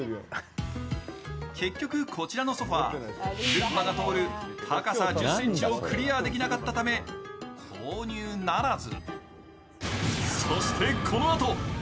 結局こちらのソファー、ルンバが通る高さ１０ｃｍをクリアできなかっため購入ならず。